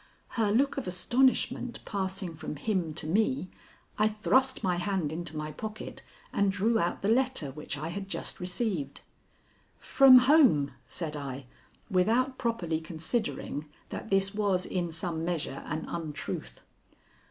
Her look of astonishment passing from him to me, I thrust my hand into my pocket and drew out the letter which I had just received. "From home," said I, without properly considering that this was in some measure an untruth.